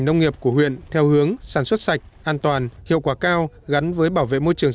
nông nghiệp của huyện theo hướng sản xuất sạch an toàn hiệu quả cao gắn với bảo vệ môi trường